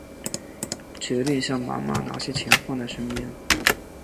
决定向妈妈拿些钱放在身边